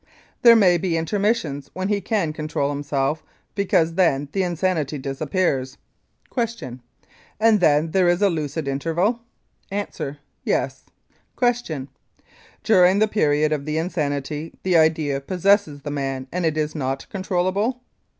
There may be intermissions when he can control himself, because then the insanity disappears. Q. And then there is a lucid interval? A. Yes. Q. During the period of the insanity the idea possesses the man and it is not controllable?